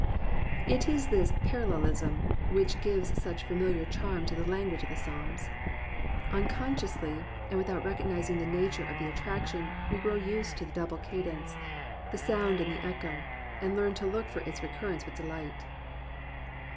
It is this "parallelism" which gives such a familiar charm to the language of the Psalms. Uncon sciously, and without recognizing the nature of the attraction, we grow used to the double cadence, the sound and the echo, and learn to look for its recur rence with delight.